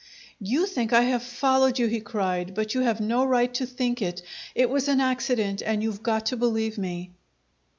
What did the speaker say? "You think I have followed you," he cried, "but you have no right to think it. It was an accident and you've got to believe me!"